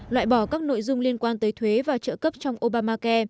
loại bỏ các nội dung liên quan tới thuế và trợ cấp trong obamacai